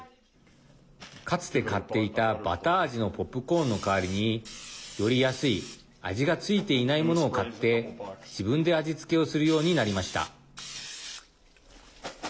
かつて買っていたバター味のポップコーンの代わりにより安い味が付いていないものを買って自分で味付けをするようになりました。